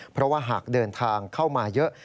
เพราะว่าหากเดินทางเข้ามาเยอะ